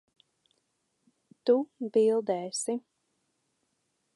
Tu bildēsi.